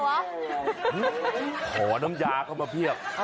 ขอน้ำยาเข้ามาเพียบ